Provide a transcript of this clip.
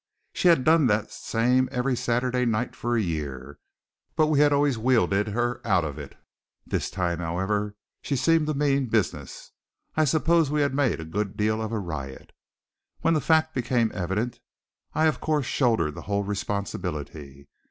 She had done that same every Saturday night for a year; but we had always wheedled her out of it. This time, however, she seemed to mean business. I suppose we had made a good deal of a riot. When the fact became evident, I, of course, shouldered the whole responsibility.